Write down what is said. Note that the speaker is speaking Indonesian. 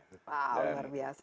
wah luar biasa